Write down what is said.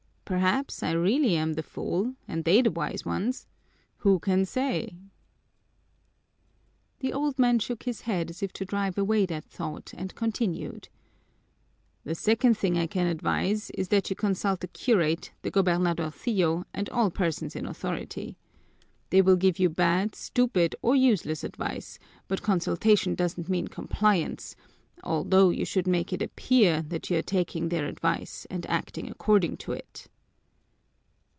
Perhaps I really am the fool and they the wise ones who can say?" The old man shook his head as if to drive away that thought, and continued: "The second thing I can advise is that you consult the curate, the gobernadorcillo, and all persons in authority. They will give you bad, stupid, or useless advice, but consultation doesn't mean compliance, although you should make it appear that you are taking their advice and acting according to it."